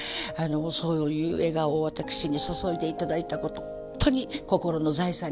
そういう笑顔を私に注いで頂いたことほんとに心の財産になっております。